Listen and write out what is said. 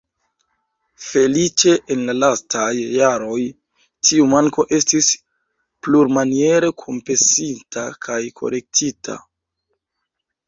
Feliĉe, en la lastaj jaroj, tiu manko estis plurmaniere kompensita kaj korektita.